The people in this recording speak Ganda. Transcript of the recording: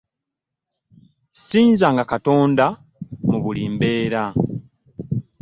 Sinza nga katonda mu bulimbeera.